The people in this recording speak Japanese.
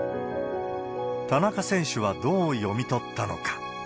田中選手はどう読み取ったのか。